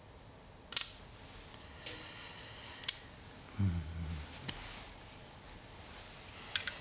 うん。